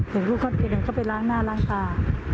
เด็กลูกตอนปีหนึ่งเขาไปล้างหน้าล้างตา